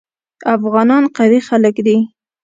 افغانان قوي خلک دي.